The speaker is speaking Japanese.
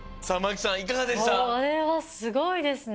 これはすごいですね。